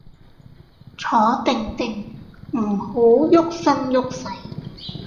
坐定定，唔好郁身郁勢